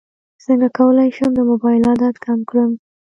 څنګه کولی شم د موبایل عادت کم کړم